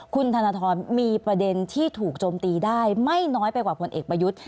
คุณธนทรมีประเด็นที่ถูกโจมตีได้ไม่น้อยไปกว่าผลเอกประยุทธ์